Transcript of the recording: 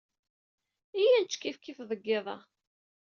Iyya ad nečč kifkif deg yiḍ-a.